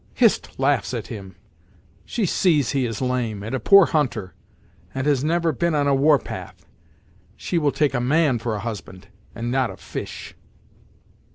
"Hist laughs at him! She sees he is lame, and a poor hunter, and he has never been on a war path. She will take a man for a husband, and not a fish."